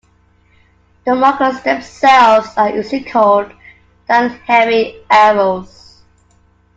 The markers themselves are usually called "Dan Henry Arrows".